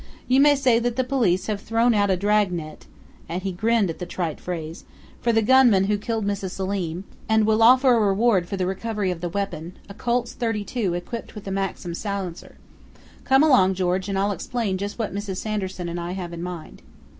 You may say that the police have thrown out a dragnet " and he grinned at the trite phrase " for the gunman who killed Mrs. Selim, and will offer a reward for the recovery of the weapon a Colt's .32 equipped with a Maxim silencer.... Come along, George, and I'll explain just what Mrs. Sanderson and I have in mind."